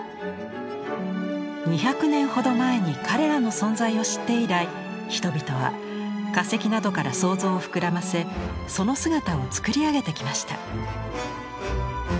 ２００年ほど前に彼らの存在を知って以来人々は化石などから想像を膨らませその姿を創り上げてきました。